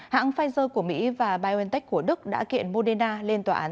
hãng pfizer của mỹ và biontech của đức đã kiện moderna lên tòa án